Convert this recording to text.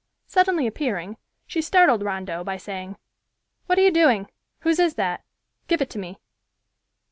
Suddenly appearing, she startled Rondeau by saying, "What are you doing? Whose is that? Give it to me."